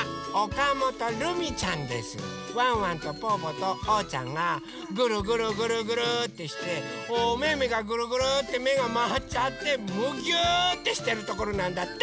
ワンワンとぽぅぽとおうちゃんがぐるぐるぐるぐるってしておめめがぐるぐるってめがまわっちゃってむぎゅってしてるところなんだって。